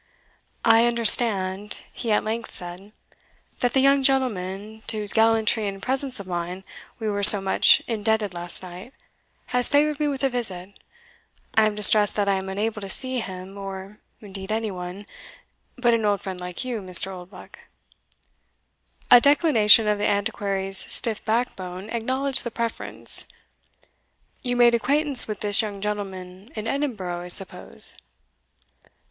"I understand," he at length said, "that the young gentleman, to whose gallantry and presence of mind we were so much indebted last night, has favoured me with a visit I am distressed that I am unable to see him, or indeed any one, but an old friend like you, Mr. Oldbuck." A declination of the Antiquary's stiff backbone acknowledged the preference. "You made acquaintance with this young gentleman in Edinburgh, I suppose?"